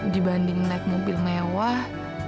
dibanding naik mobil mewah